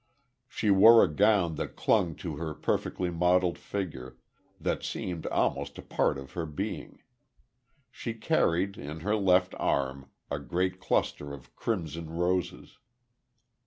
She wore a gown that clung to her perfectly modelled figure that seemed almost a part of her being. She carried, in her left arm, a great cluster of crimson roses.